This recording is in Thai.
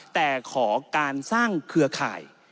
แต่ขอการสร้างเครือข่าย